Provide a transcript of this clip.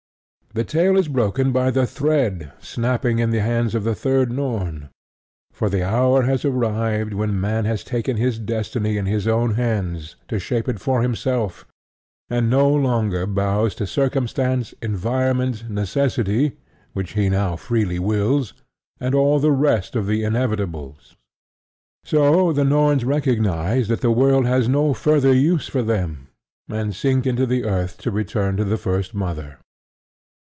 The tale is broken by the thread snapping in the hands of the third Norn; for the hour has arrived when man has taken his destiny in his own hands to shape it for himself, and no longer bows to circumstance, environment, necessity (which he now freely wills), and all the rest of the inevitables. So the Norns recognize that the world has no further use for them, and sink into the earth to return to the First Mother.